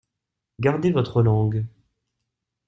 Gardez votre langue.